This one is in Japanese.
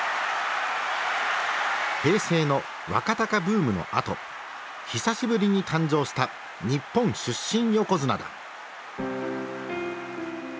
平成の若貴ブームのあと久しぶりに誕生した日本出身横綱だ。